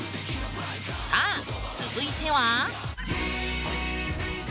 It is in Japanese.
さあ続いては？